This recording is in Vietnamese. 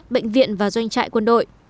bệnh viện và doanh trại quân đội